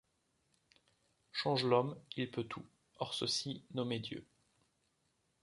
Change l’homme ; il peut tout ; hors ceci : nommer Dieu.